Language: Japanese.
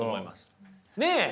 ねえ！